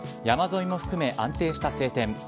山沿いを含め安定した晴天。